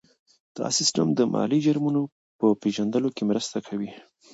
دا سیستم د مالي جرمونو په پېژندلو کې مرسته کوي.